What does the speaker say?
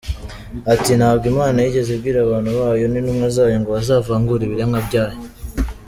Ati “Ntabwo Imana yigeze ibwira abantu bayo, n’intumwa zayo, ngo bazavangure ibiremwa byayo.